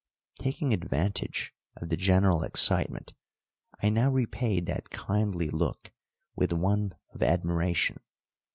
Taking advantage of the general excitement, I now repaid that kindly look with one of admiration.